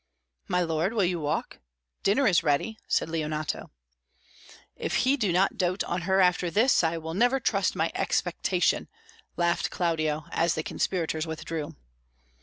"My lord, will you walk? Dinner is ready," said Leonato. "If he do not doat on her after this, I will never trust my expectation," laughed Claudio, as the conspirators withdrew.